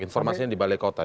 informasinya di balai kota